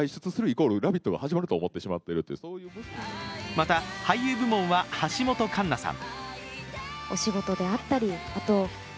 また、俳優部門は橋本環奈さん。